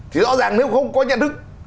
thì rõ ràng nếu không có nhận thức